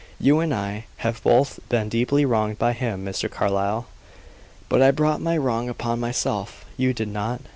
"You and I have both been deeply wronged by him, Mr. Carlyle, but I brought my wrong upon myself, you did not.